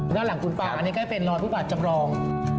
หน้ารั่งกุญปะอันนี้ก็จะเป็นรทฤบาทจำรอง